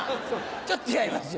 ちょっと違いますよ。